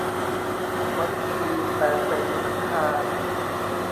มฤคีแปลงเป็นมฤคา